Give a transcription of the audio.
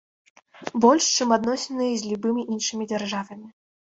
Больш, чым адносіны з любымі іншымі дзяржавамі.